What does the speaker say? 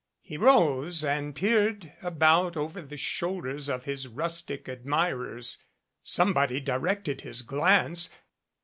He rose and peered about over the shoulders of his rustic admirers. Somebody directed his glance.